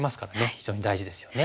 非常に大事ですよね。